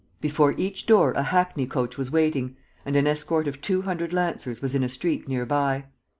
Before each door a hackney coach was waiting, and an escort of two hundred Lancers was in a street near by.